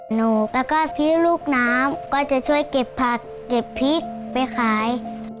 หนูแล้วก็พี่ลูกน้ำก็จะช่วยเก็บผักเก็บพริกไปขาย